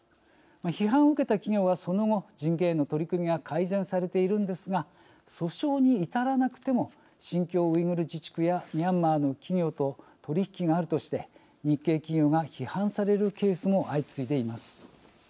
批判を受けた企業はその後人権への取り組みが改善されているんですが訴訟に至らなくても新疆ウイグル自治区やミャンマーの企業と取り引きがあるとして日系企業が批判されるケースも相次いでいます。